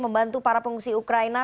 membantu para pengungsi ukraina